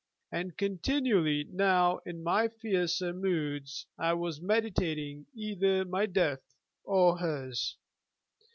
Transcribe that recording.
And continually now in my fiercer moods I was meditating either my death or hers.